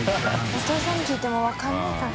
お父さんに聞いても分からないから。